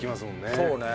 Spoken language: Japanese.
そうね。